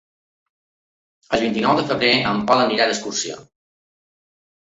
El vint-i-nou de febrer en Pol anirà d'excursió.